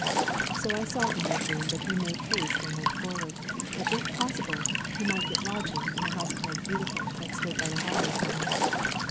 So I saw in my dream that he made haste and went forward, that if possible he might get lodging in the house called Beautiful that stood by the highway side.